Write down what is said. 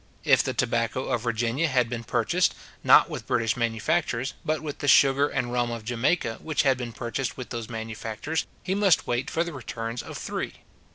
If the tobacco of Virginia had been purchased, not with British manufactures, but with the sugar and rum of Jamaica, which had been purchased with those manufactures, he must wait for the returns of three.